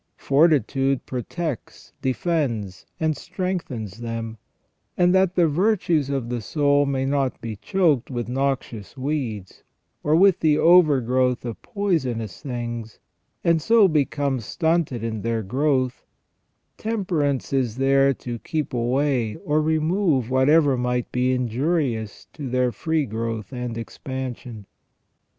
Fortitude protects, defends, and strengthens them ; and that the virtues of the soul may not be choked with noxious weeds or with the overgrowth of poisonous things, and so become stunted in their growth, tem perance is there to keep away or remove whatever might be injurious to their free growth and expansion.